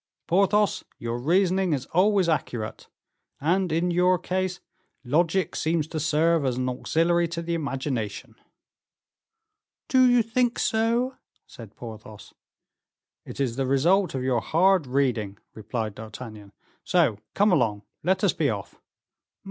"Porthos, your reasoning is always accurate, and, in your case, logic seems to serve as an auxiliary to the imagination." "Do you think so?" said Porthos. "It is the result of your hard reading," replied D'Artagnan. "So come along, let us be off."